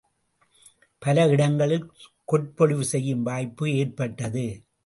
பல இடங்களில் கொற்பொழிவு செய்யும் வாய்ப்பும் ஏற்பட்டது.